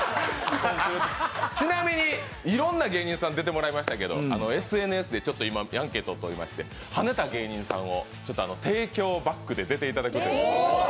ちなみにいろんな芸人さん出てもらいましたけどＳＮＳで今、アンケートをとりまして、はねた芸人さんを提供バックで出ていただくということです。